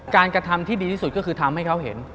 กระทำที่ดีที่สุดก็คือทำให้เขาเห็น